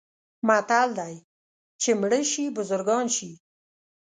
متل دی: چې مړه شي بزرګان شي.